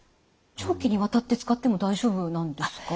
長期にわたって使っても大丈夫なんですか？